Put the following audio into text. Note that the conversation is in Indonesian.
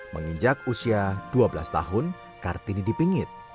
menginjak usia dua belas tahun kartini dipingit